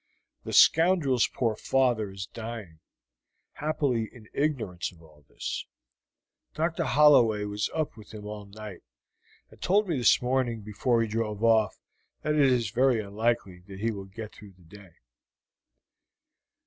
The scoundrel's poor father is dying, happily in ignorance of all this. Dr. Holloway was up with him all night, and told me this morning before he drove off that it is very unlikely that he will get through the day."